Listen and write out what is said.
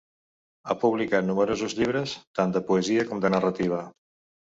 Ha publicat nombrosos llibres, tant de poesia com de narrativa.